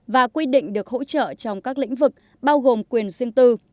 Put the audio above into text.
và quy định được hỗ trợ trong các lĩnh vực bao gồm quyền riêng tư